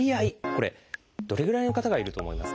これどれぐらいの方がいると思いますか？